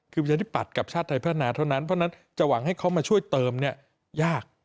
คือประชาธิปัตย์กับชาติไทยพัฒนาเท่านั้นเพราะฉะนั้นจะหวังให้เขามาช่วยเติมเนี่ยยาก